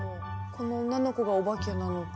この女の子がお化けなのか。